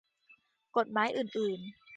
กฎหมายอื่นอื่น